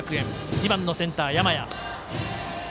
２番センター、山家。